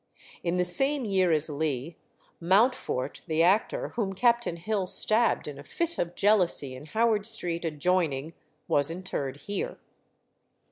In the same year as Lee, Mountfort, the actor, whom Captain Hill stabbed in a fit of jealousy in Howard Street adjoining, was interred here.